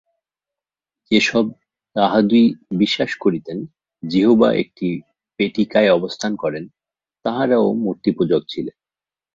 যে-সব য়াহুদী বিশ্বাস করিতেন, জিহোবা একটি পেটিকায় অবস্থান করেন, তাঁহারাও মূর্তিপূজক ছিলেন।